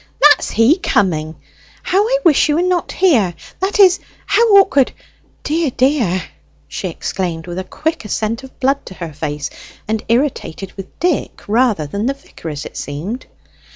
That's he coming! How I wish you were not here! that is, how awkward dear, dear!" she exclaimed, with a quick ascent of blood to her face, and irritated with Dick rather than the vicar, as it seemed.